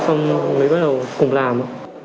xong mới bắt đầu cùng làm